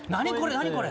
何これ？